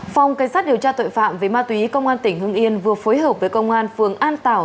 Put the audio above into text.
phòng cảnh sát điều tra tội phạm về ma túy công an tỉnh hưng yên vừa phối hợp với công an phường an tảo